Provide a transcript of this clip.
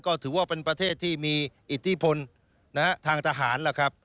ก็ถือว่าเป็นประเทศที่มีอิทธิพลทางทหารล่ะครับ